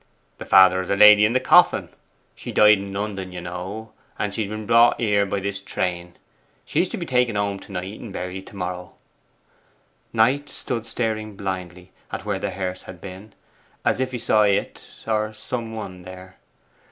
'The father of the lady in the coffin. She died in London, you know, and has been brought here by this train. She is to be taken home to night, and buried to morrow.' Knight stood staring blindly at where the hearse had been; as if he saw it, or some one, there.